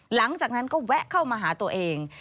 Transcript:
หลังจากนั้นก็แวะเข้ามาหาตัวเอง